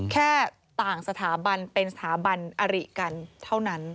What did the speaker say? แค่ต่างสถาบันเป็นสถาบันอริกันเท่านั้น